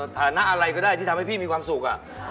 ฐานะอะไรก็ได้ที่ทำให้พี่มีความสุข